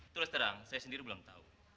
terus terang saya sendiri belum tahu